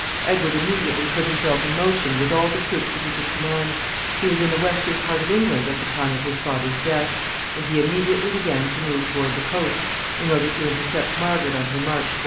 Edward immediately put himself in motion with all the troops that he could command. He was in the western part of England at the time of his father's death, and he immediately began to move toward the coast in order to intercept Margaret on her march toward London.